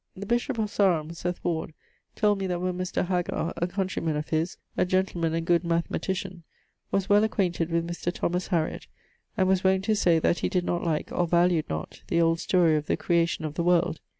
The bishop of Sarum (Seth Ward) told me that one Mr. Haggar (a countryman of his), a gentleman and good mathematician, was well acquainted with Mr. Thomas Hariot, and was wont to say, that he did not like (or valued not) the old storie of the Creation of the World.